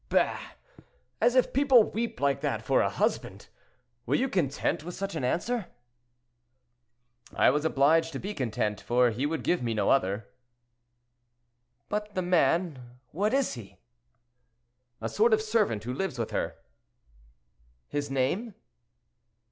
"Bah! as if people weep like that for a husband. Were you content with such an answer?" "I was obliged to be content, for he would give me no other." "But the man—what is he?" "A sort of servant who lives with her."—"His name?"